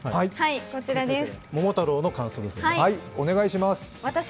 こちらです。